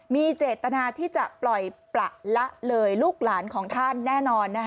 มีเจตนาที่จะปล่อยประละเลยลูกหลานของท่านแน่นอน